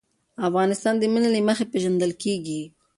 افغانستان د منی له مخې پېژندل کېږي.